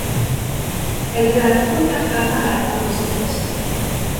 Elle est la première femme à atteindre ce poste.